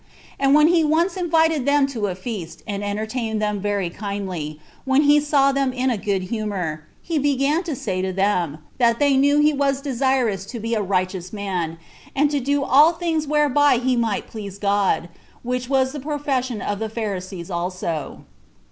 And when he once invited them to a feast, and entertained them very kindly, when he saw them in a good humor, he began to say to them, that they knew he was desirous to be a righteous man, and to do all things whereby he might please God, which was the profession of the Pharisees also.